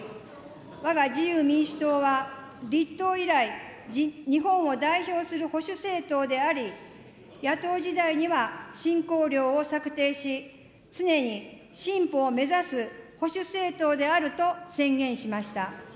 わが自由民主党は立党以来、日本を代表する保守政党であり、野党時代には新綱領を策定し、常に進歩を目指す保守政党であると宣言しました。